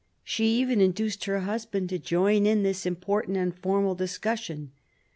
Sh$ even induced her husband to join in this important and formal discussion.